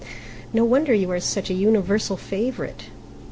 No wonder you are such a universal favourite."